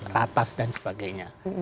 ratas dan sebagainya